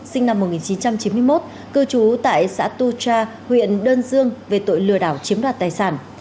sinh năm một nghìn chín trăm chín mươi một cư trú tại xã tu cha huyện đơn dương về tội lừa đảo chiếm đoạt tài sản